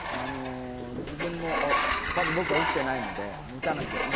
自分もまだ僕は打ってないので、打たなきゃ。